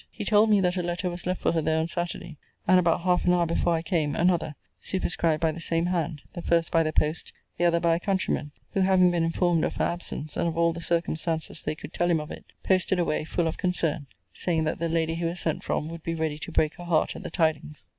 He told me that a letter was left for her there on Saturday; and, about half an hour before I came, another, superscribed by the same hand; the first, by the post; the other, by a countryman; who having been informed of her absence, and of all the circumstances they could tell him of it, posted away, full of concern, saying, that the lady he was sent from would be ready to break her heart at the tidings.